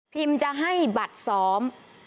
จะให้บัตรซ้อม